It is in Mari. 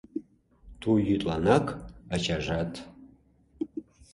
Ту йӱдланак ачажат